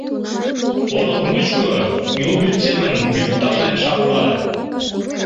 Олык мучко Юл вӱд семын вӱд ташлен шаула.